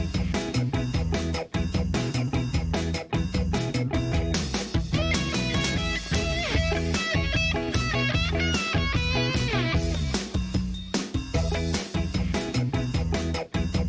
สวัสดีค่ะ